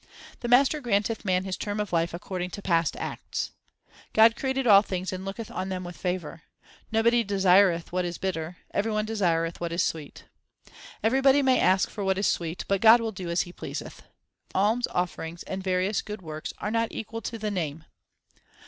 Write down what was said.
The Master granteth man his term of life according to past acts. God created all things and looketh on them with favour. Nobody desireth what is bitter ; every one desireth what is sweet. Everybody may ask for what is sweet, but God will do as He pleaseth. Alms offerings and various good works are not equal to the Name.